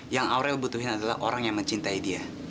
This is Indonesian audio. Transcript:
yang aurel butuhkan adalah orang yang mencintai dia